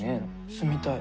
住みたい。